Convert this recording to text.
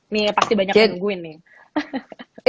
nih pasti banyak yang nungguin nih